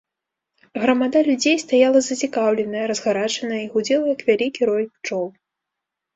Грамада людзей стаяла зацікаўленая, разгарачаная і гудзела, як вялікі рой пчол.